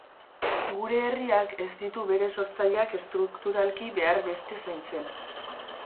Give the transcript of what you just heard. Gure herriak ez ditu bere sortzaileak estrukturalki behar beste zaintzen.